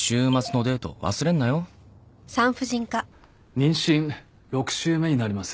妊娠６週目になります。